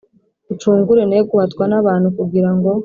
Uncungure ne guhatwa n abantu kugira ngo